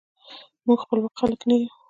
موږ خپواک خلک نه یو.